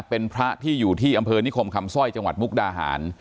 เป็นพระที่อยู่ที่อำเภอนิคมคำสร้อยจังหวัดมุกดาหาร